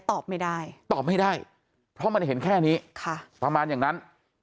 ตอบไม่ได้ตอบไม่ได้เพราะมันเห็นแค่นี้ค่ะประมาณอย่างนั้น